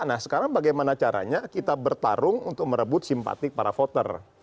nah sekarang bagaimana caranya kita bertarung untuk merebut simpatik para voter